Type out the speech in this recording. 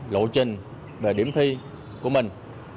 lộ trình về điểm thi của mình